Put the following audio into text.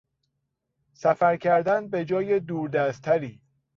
سفر کردن به جای دوردستتری